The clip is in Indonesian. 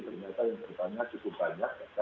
ternyata yang tertanya cukup banyak